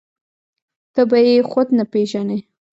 ته به يې خود نه پېژنې.